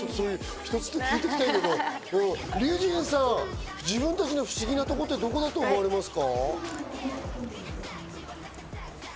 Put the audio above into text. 一つ一つ聞いていきたいけど、リュウジンさん、自分たちの不思議なところってどこだと思われますか？